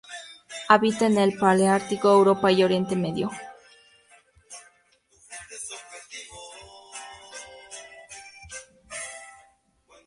Habita en el paleártico: Europa y Oriente Medio.